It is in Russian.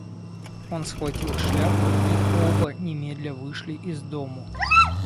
Он схватил шляпу, и оба немедля вышли из дому.